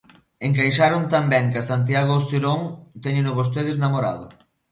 Encaixaron tan ben que a Santiago Auserón téñeno vostedes namorado.